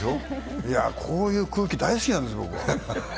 こういう空気、大好きなんです、僕は。